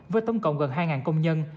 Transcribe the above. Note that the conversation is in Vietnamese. với tổng cộng gần hai công nhân